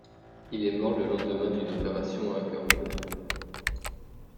Il est mort le lendemain d'une opération à cœur ouvert.